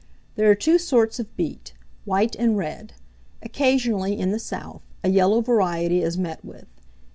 There are two sorts of Beet, white and red; occasionally, in the south, a yellow variety is met with.